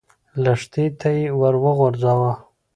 لښتي ته يې ور وغځاوه.